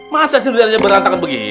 masa sendiri aja berantakan begini